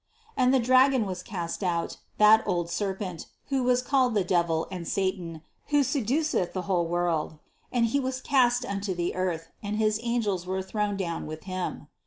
9. And the dragon was cast out, that old serpent, who is called the devil and satan, who seduceth the whole world; and he was cast unto the earth, and his angels were thrown down with him.